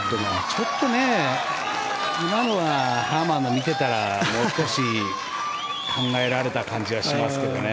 ちょっと今のはハーマンの見てたらもう少し考えられた感じはしますけどね。